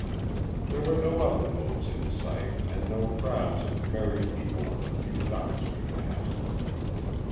There were no other boats in sight and no crowds of merry people on the few docks we passed.